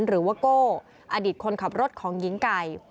หรือว่าโก้อดีตคนขับรถของหญิงไก่